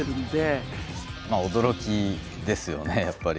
驚きですよねやっぱり。